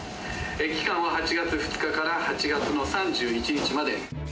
期間は８月２日から８月の３１日まで。